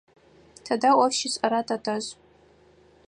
Тыдэ ӏоф щишӏэра тэтэжъ?